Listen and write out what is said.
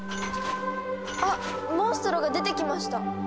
あっモンストロが出てきました。